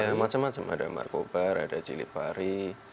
ya macam macam ada marco bar ada cili pari